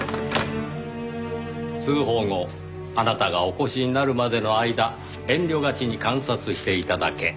通報後あなたがお越しになるまでの間遠慮がちに観察していただけ。